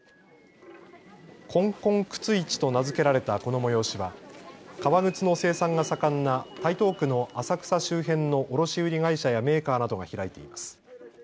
こんこん靴市と名付けられたこの催しは、革靴の生産が盛んな台東区の浅草周辺の卸売り会社やメーカーなどが開いています。